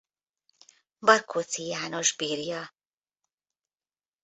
Barkóczy János birja.